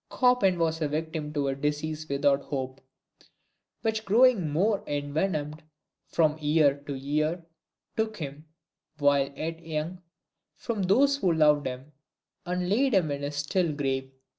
Chopin was a victim to a disease without hope, which growing more envenomed from year to year, took him, while yet young, from those who loved him, and laid him in his still grave.